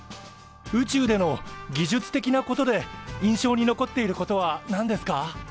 宇宙での技術的なことで印象に残っていることは何ですか？